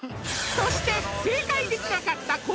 そして正解できなかった昴